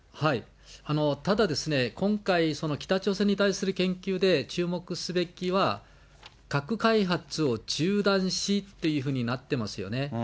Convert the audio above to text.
ただ、今回、北朝鮮に対する言及で注目すべきは、核開発を中断しっていうふうになってますよね。